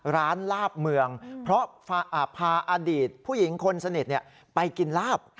ลาบเมืองเพราะพาอดีตผู้หญิงคนสนิทไปกินลาบ